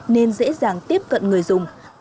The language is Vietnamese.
nên dễ dàng tiếp cận người dùng